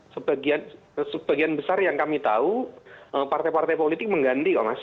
sebagian besar yang kami tahu partai partai politik mengganti kok mas